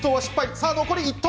さあ、残り１投！